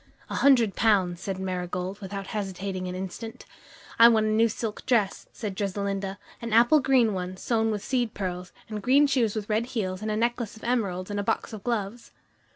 "A hundred pounds," said Marigold, without hesitating an instant. "I want a new silk dress," said Dressalinda, "an apple green one, sewn with seed pearls, and green shoes with red heels, and a necklace of emeralds, and a box of gloves."